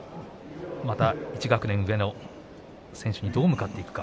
１学年上の選手とどう向かっていくか。